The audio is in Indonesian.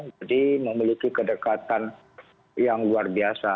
jadi memiliki kedekatan yang luar biasa